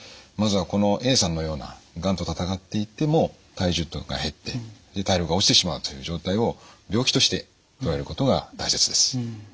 まずはこのＡさんのようながんと闘っていっても体重が減って体力が落ちてしまうという状態を病気としてとらえることが大切です。